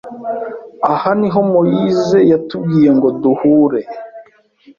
Aha niho Moise yatubwiye ngo duhure.